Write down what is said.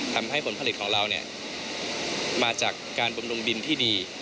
ทำให้ผลผลิตของเรามาจากการปรบนมดินที่ดี